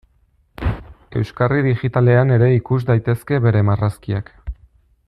Euskarri digitalean ere ikus daitezke bere marrazkiak.